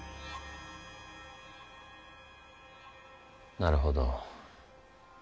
なるほど。